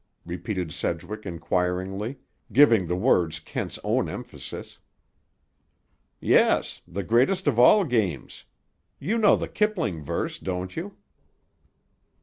repeated Sedgwick inquiringly, giving the words Kent's own emphasis. "Yes. The greatest of all games. You know the Kipling verse, don't you?"